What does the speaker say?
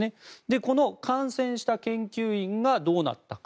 この感染した研究員がどうなったか。